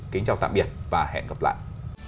kính chào tạm biệt và hẹn gặp lại